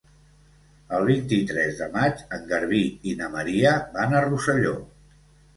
El vint-i-tres de maig en Garbí i na Maria van a Rosselló.